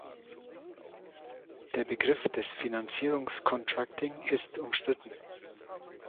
Der Begriff des Finanzierungs-Contracting ist umstritten.